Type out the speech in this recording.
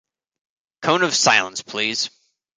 Cone of silence, please.